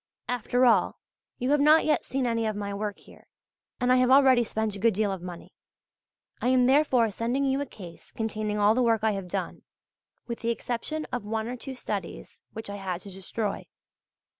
After all, you have not yet seen any of my work here, and I have already spent a good deal of money. I am therefore sending you a case containing all the work I have done, with the exception of one or two studies which I had to destroy.